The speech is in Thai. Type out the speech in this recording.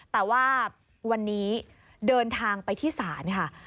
แต่ว่าวันนี้เดินทางไปที่ศาลค่ะ